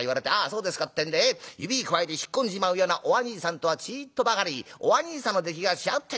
そうですかってんで指くわえて引っ込んじまうようなおあにいさんとはちいっとばかりおあにいさんの出来が違うってんだ。